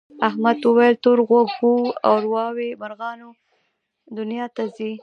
احمد وویل تور غوږو ارواوې مرغانو دنیا ته ځي.